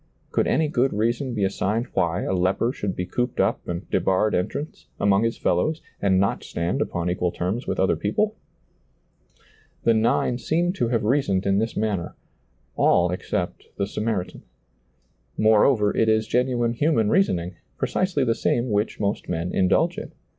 Could any good reason be assigned why a leper should be cooped up and debarred entrance, among his fellows, and not stand upon equal terms with other people ? The nine seem to have reasoned ^lailizccbvGoOgle A THANKSGIVING SERMON 151 in this manner — all except the Samaritan. More over, it is genuine human reasoning, precisely the same which most men indulge in.